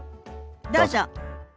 どうぞ。